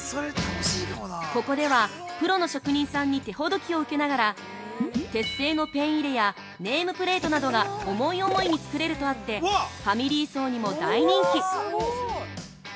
ここでは、プロの職人さんに手ほどきを受けながら鉄製のペン入れやネームプレートなどが思い思いに作れるとあってファミリー層にも大人気！